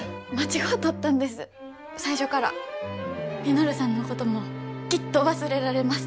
稔さんのこともきっと忘れられます。